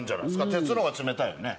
鉄の方が冷たいよね？